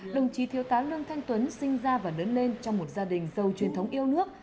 đồng chí thiếu tá lương thanh tuấn sinh ra và lớn lên trong một gia đình giàu truyền thống yêu nước